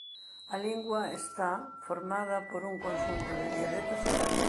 A lingua está formada por un conxunto de dialectos italianos.